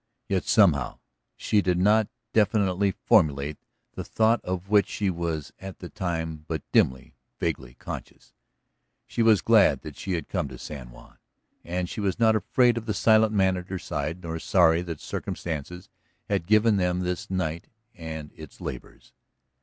Yet somehow ... she did not definitely formulate the thought of which she was at the time but dimly, vaguely conscious ... she was glad that she had come to San Juan. And she was not afraid of the silent man at her side, nor sorry that circumstance had given them this night and its labors.